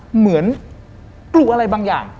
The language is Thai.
เหมือนกลัวอะไรบางอย่าง